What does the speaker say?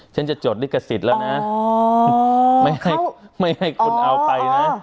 ฉันจะจดลิขสิทธิ์แล้วนะไม่ให้คุณเอาไปนะ